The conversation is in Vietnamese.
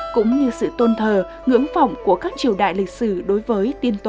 cũng như sự tôn thờ ngưỡng vọng của các triều đại lịch sử đối với tiên tổ